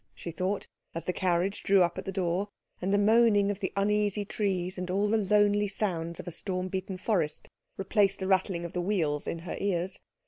she thought, as the carriage drew up at the door, and the moaning of the uneasy trees, and all the lonely sounds of a storm beaten forest replaced the rattling of the wheels in her ears.